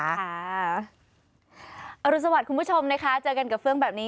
รุสวัสดิ์คุณผู้ชมนะคะเจอกันกับเฟื่องแบบนี้